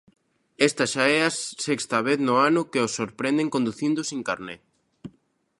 Esta xa é a sexta vez no ano que o sorprenden conducindo sen carné.